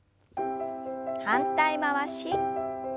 反対回し。